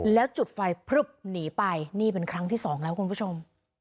แล้วจุดไฟพลึบหนีไปนี่เป็นครั้งที่สองแล้วคุณผู้ชม